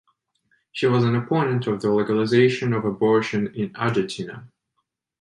She was an opponent of the legalization of abortion in Argentina.